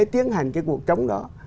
tiến hành cái cuộc chống đó